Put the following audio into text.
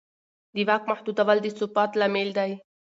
د واک محدودول د ثبات لامل دی